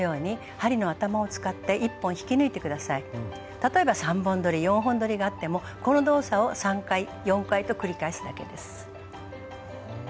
例えば３本どり４本どりがあってもこの動作を３回４回と繰り返すだけです。